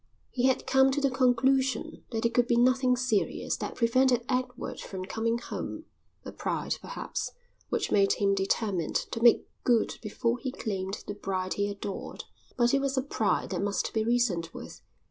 He had come to the conclusion that it could be nothing serious that prevented Edward from coming home, a pride, perhaps, which made him determined to make good before he claimed the bride he adored; but it was a pride that must be reasoned with.